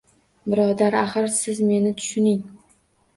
Birodar, axir, siz meni tushuning